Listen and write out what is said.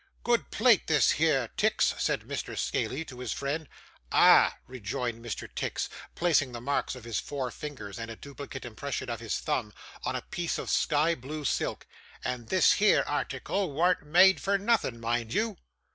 'Good plate this here, Tix,' said Mr. Scaley to his friend. 'Ah!' rejoined Mr. Tix, placing the marks of his four fingers, and a duplicate impression of his thumb, on a piece of sky blue silk; 'and this here article warn't made for nothing, mind you.